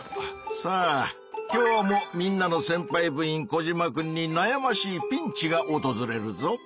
さあ今日もみんなのせんぱい部員コジマくんになやましいピンチがおとずれるぞ！